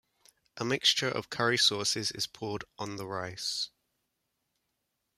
A mixture of curry sauces is poured on the rice.